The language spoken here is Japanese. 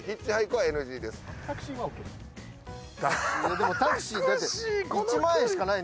でもタクシーだって。